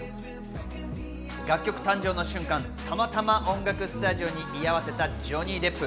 楽曲誕生の瞬間、たまたま音楽スタジオに居合わせたジョニー・デップ。